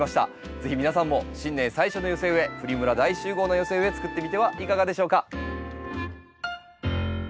是非皆さんも新年最初の寄せ植えプリムラ大集合の寄せ植えつくってみてはいかがでしょうか？